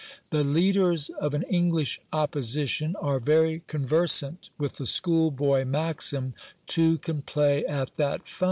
The leaders of an English Opposition are very conversant with the school boy maxim, "Two can play at that fun".